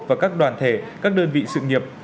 và các đoàn thể các đơn vị sự nghiệp